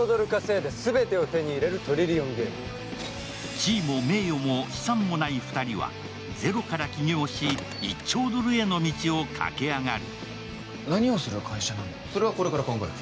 地位も名誉も資産もない２人は、ゼロから起業し、１兆ドルへの道を駆け上がる。